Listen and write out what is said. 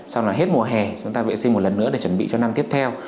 xong là hết mùa hè chúng ta vệ sinh một lần nữa để chuẩn bị cho năm tiếp theo